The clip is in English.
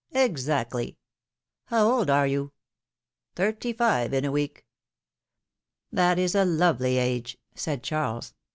Exactly." How old are you ?" ^^Thirty five, in a week." That is the lovely age !" said Charles.